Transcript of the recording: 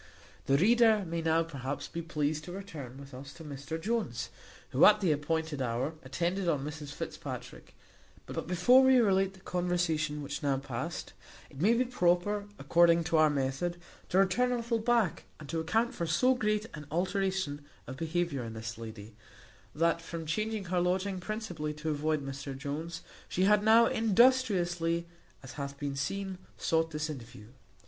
The reader may now, perhaps, be pleased to return with us to Mr Jones, who, at the appointed hour, attended on Mrs Fitzpatrick; but before we relate the conversation which now past it may be proper, according to our method, to return a little back, and to account for so great an alteration of behaviour in this lady, that from changing her lodging principally to avoid Mr Jones, she had now industriously, as hath been seen, sought this interview.